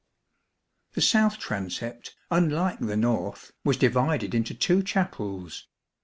The south transept, unlike the north, was divided into two chapels.